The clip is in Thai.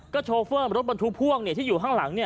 โชเฟอร์รถบรรทุกพ่วงที่อยู่ข้างหลัง